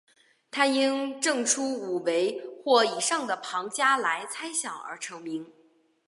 他因证出五维或以上的庞加莱猜想而成名。